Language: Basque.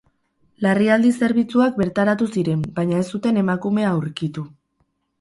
Larrialdi zerbitzuak bertaratu ziren, baina ez zuten emakumea aurkitu.